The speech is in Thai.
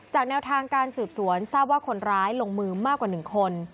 แนวทางการสืบสวนทราบว่าคนร้ายลงมือมากกว่า๑คน